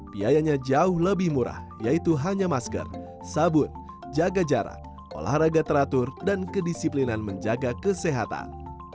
biayanya jauh lebih murah yaitu hanya masker sabun jaga jarak olahraga teratur dan kedisiplinan menjaga kesehatan